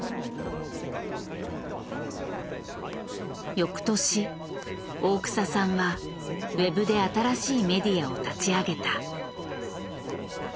よくとし大草さんはｗｅｂで新しいメディアを立ち上げた。